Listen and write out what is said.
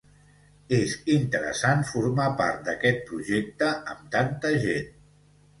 Es interesant formar part d'aquest projecte amb tanta gent